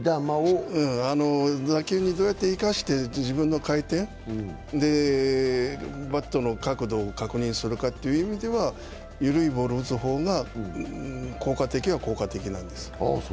打球にどうやって生かして、自分の回転、バットの角度を確認するかという意味では、緩いボールを打つ方が効果的は効果的なんです。